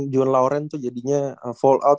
julian lauren tuh jadinya fall out